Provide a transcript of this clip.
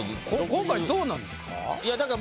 今回どうなんですか？